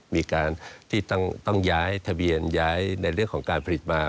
มีการที่ต้องย้ายทะเบียนย้ายในเรื่องของการผลิตมา